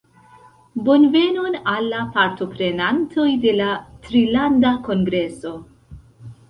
Bonvenon al la partoprenantoj de la Trilanda Kongreso